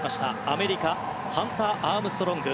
アメリカハンター・アームストロング。